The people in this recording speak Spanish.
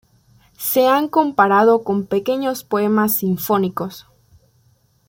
Se han comparado con pequeños poemas sinfónicos.